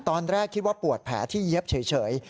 ตอนแรกคิดว่าปวดแผลที่เย็บเฉย